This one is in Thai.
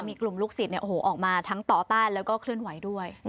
มีกลุ่มลูกศิษย์ออกมาทั้งต่อต้านแล้วก็เคลื่อนไหวด้วย